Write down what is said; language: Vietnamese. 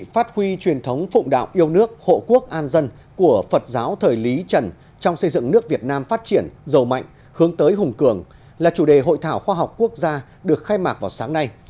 phát huy truyền thống phụng đạo yêu nước hộ quốc an dân của phật giáo thời lý trần trong xây dựng nước việt nam phát triển giàu mạnh hướng tới hùng cường là chủ đề hội thảo khoa học quốc gia được khai mạc vào sáng nay